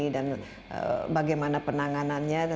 dan bagaimana penanganannya